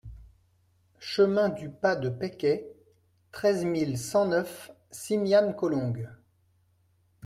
Chemin du Pas de Peycaî, treize mille cent neuf Simiane-Collongue